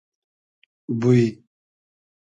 بوی